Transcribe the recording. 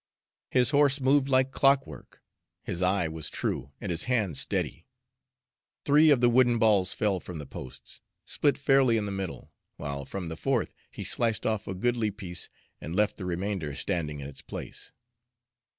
His horse moved like clockwork, his eye was true and his hand steady. Three of the wooden balls fell from the posts, split fairly in the middle, while from the fourth he sliced off a goodly piece and left the remainder standing in its place.